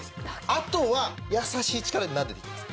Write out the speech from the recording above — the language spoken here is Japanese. あとはやさしい力でなでていきます。